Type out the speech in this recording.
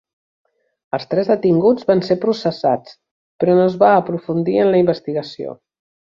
Els tres detinguts van ser processats, però no es va aprofundir en la investigació.